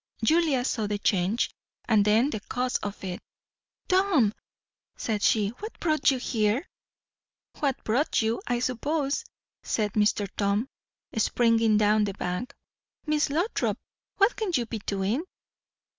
Julia saw the change, and then the cause of it. "Tom!" said she, "what brought you here?" "What brought you, I suppose," said Mr. Tom, springing down the bank. "Miss Lothrop, what can you be doing?"